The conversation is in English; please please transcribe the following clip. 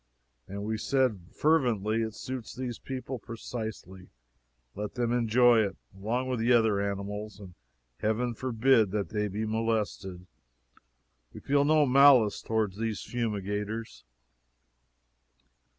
And we said fervently: it suits these people precisely; let them enjoy it, along with the other animals, and Heaven forbid that they be molested. We feel no malice toward these fumigators.